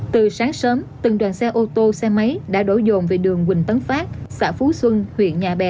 từ sáng sớm từng đoàn xe ô tô xe máy đã đổ dồn về đường quỳnh tấn phát xã phú xuân huyện nhà bè